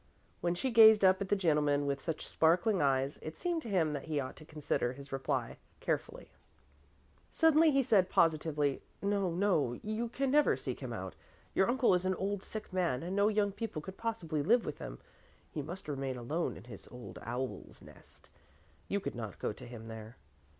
When she gazed up at the gentleman with such sparkling eyes, it seemed to him that he ought to consider his reply carefully. Suddenly he said positively, "No, no, you can never seek him out. Your uncle is an old, sick man, and no young people could possibly live with him. He must remain alone in his old owl's nest. You could not go to him there."